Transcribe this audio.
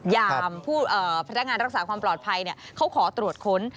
ยามผู้พัฒนาการรักษาความปลอดภัยเขาขอตรวจค้น